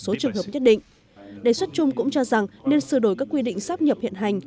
số trường hợp nhất định đề xuất chung cũng cho rằng nên sửa đổi các quy định sáp nhập hiện hành